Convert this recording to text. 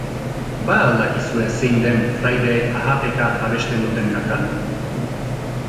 Ba al dakizue zein den fraideek ahapeka abesten duten kanta?